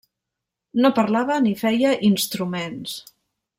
No parlava ni feia instruments.